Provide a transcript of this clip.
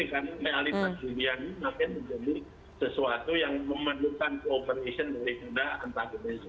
ini kan mealihkan diri kami makanya menjadi sesuatu yang memandukan cooperation dari kita